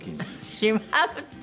「しまう」って。